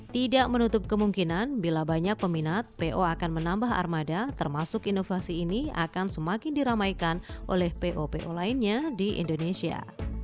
tidak menutup kemungkinan bila banyak peminat po akan menambah armada termasuk inovasi ini akan semakin diramaikan oleh po po lainnya di indonesia